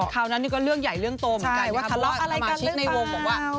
คราวนั้นก็เรื่องใหญ่เรื่องโตเหมือนกันนะคะว่าคำอาชิกในวงบอกว่า